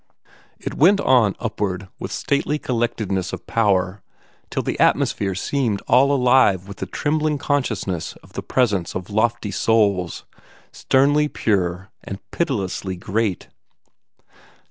It went on upward with stately collectedness of power, till the atmosphere seemed all alive with the trembling consciousness of the presence of lofty souls, sternly pure and pitilessly great.